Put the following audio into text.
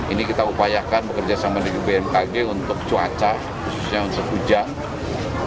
ini kita upayakan bekerja sama dengan bmkg untuk cuaca khususnya untuk hujan